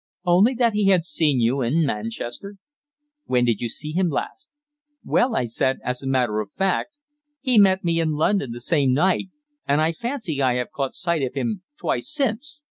"Only that he had seen you in Manchester." "When did you see him last?" "Well," I said, "as a matter of fact he met me in London the same night, and I fancy I have caught sight of him twice since.